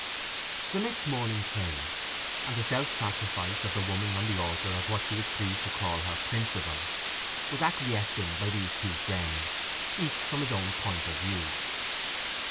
The next morning came, and the self sacrifice of the woman on the altar of what she was pleased to call her principles was acquiesced in by these two friends, each from his own point of view.